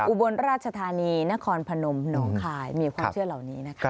อุบลราชธานีนครพนมหนองคายมีความเชื่อเหล่านี้นะคะ